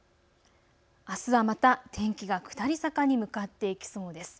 あすはまた天気が下り坂に向かっていきそうです。